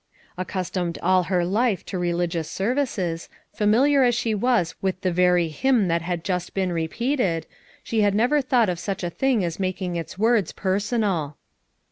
Accustomed all her life to religious services, familiar as she was with the very hymn that had just been repeated, she had never thought of such a thing as making its words personal.